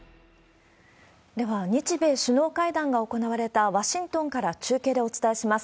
では、日米首脳会談が行われたワシントンから中継でお伝えします。